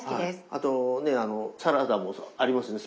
あとねサラダもありますね